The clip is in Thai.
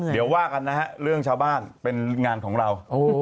เดี๋ยวว่ากันนะฮะเรื่องชาวบ้านเป็นงานของเรา